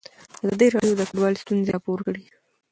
ازادي راډیو د کډوال ستونزې راپور کړي.